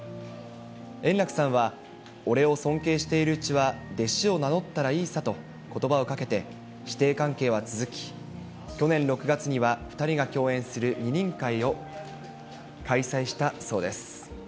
円楽さんは俺を尊敬しているうちは、弟子を名乗ったらいいさと、ことばをかけて、師弟関係は続き、去年６月には２人が共演する二人会を開催したそうです。